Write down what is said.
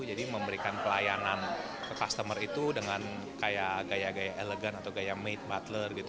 jadi memberikan pelayanan ke customer itu dengan kayak gaya gaya elegan atau gaya maid butler gitu